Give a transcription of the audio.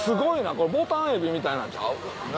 これボタンエビみたいなんちゃう？